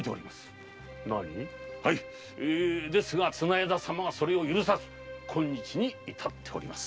なに？ですが綱條様がそれを許さず今日にいたっております。